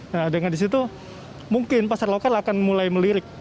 nah dengan disitu mungkin pasar lokal akan mulai melirik